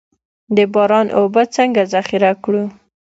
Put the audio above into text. د باران اوبه څنګه ذخیره کړو؟